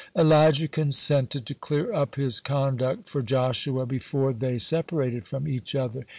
Elijah consented to clear up his conduct for Joshua before they separated from each other.